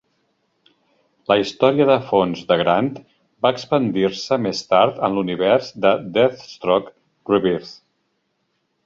La història de fons de Grant va expandir-se més tard en l'univers de "Deathstroke: Rebirth" .